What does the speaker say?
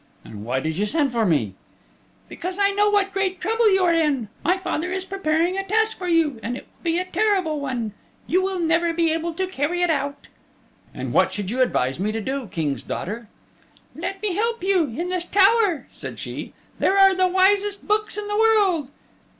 "And why did you send for me?" "Because I know what great trouble you are in. My father is preparing a task for you, and it will be a terrible one. You will never be able to carry it out." "And what should you advise me to do, King's daughter?" "Let me help you. In this tower," said she, "there are the wisest books in the world.